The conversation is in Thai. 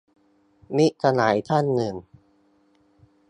มิตรสหายท่านนึง